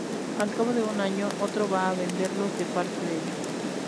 Al cabo de un año, otro va a venderlo de parte de ella.